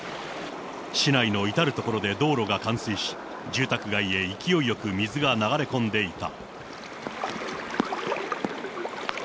市内の至る所で道路が冠水し、住宅街へ勢いよく水が流れ込んでいた。